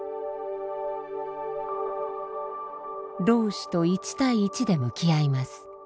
老師と一対一で向き合います。